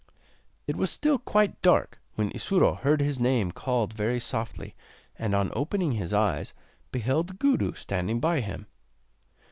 It was still quite dark when Isuro heard his name called very softly, and, on opening his eyes, beheld Gudu standing by him.